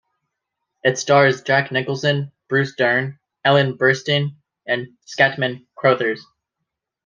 It stars Jack Nicholson, Bruce Dern, Ellen Burstyn and Scatman Crothers.